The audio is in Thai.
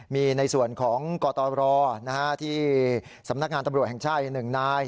มีในส่วนของกตรที่สำนักงานตำรวจแห่งชาติ๑นาย